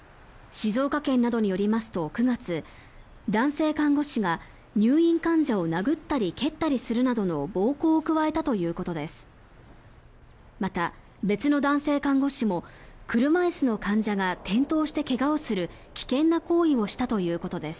静岡県などによりますと９月男性看護師が入院患者を殴ったり蹴ったりするなどの暴行を加えたということです。